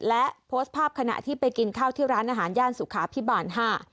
และโพสต์ภาพขณะที่ไปกินข้าวที่ร้านอาหารย่านสุขาพิบาลห้า